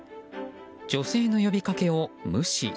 女性の呼びかけを無視。